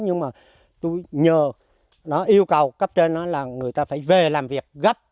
nhưng mà tôi nhờ nó yêu cầu cấp trên người ta phải về làm việc gấp